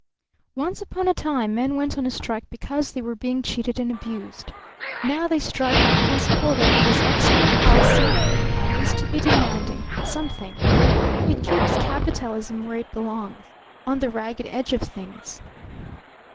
Once upon a time men went on a strike because they were being cheated and abused. Now they strike on the principle that it is excellent policy always to be demanding something; it keeps capitalism where it belongs on the ragged edge of things.